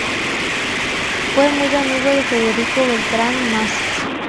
Fue muy amigo de Federico Beltran Masses.